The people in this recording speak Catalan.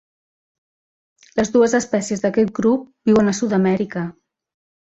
Les dues espècies d'aquest grup viuen a Sud-amèrica.